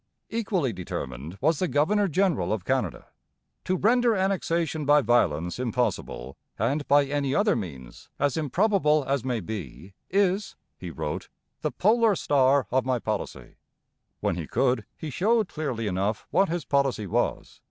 Equally determined was the governor general of Canada. 'To render Annexation by violence impossible, and by any other means, as improbable as may be, is,' he wrote, 'the polar star of my policy.' When he could, he showed clearly enough what his policy was.